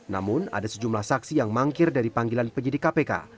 namun ada sejumlah saksi yang mangkir dari panggilan penyidik kpk